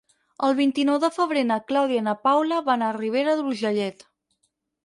El vint-i-nou de febrer na Clàudia i na Paula van a Ribera d'Urgellet.